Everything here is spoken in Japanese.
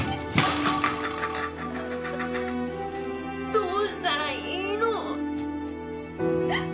どうしたらいいの？